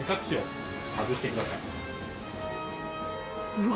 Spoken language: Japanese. うわ。